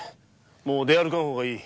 もう出歩かん方がいい。